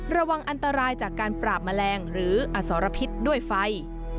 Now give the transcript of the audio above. ระวังอันตรายจากการปราบแมลงหรืออสรพิษด้วยไฟ